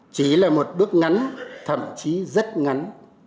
chỉ là một bước ngắn thậm chí rất ngắn